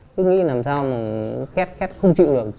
cứ nghĩ làm sao mà khét khét không chịu được